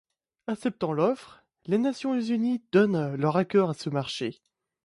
Acceptant l'offre, les Nations unies donnent leur accord à ce marché.